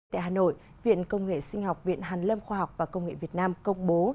tại hà nội viện công nghệ sinh học viện hàn lâm khoa học và công nghệ việt nam công bố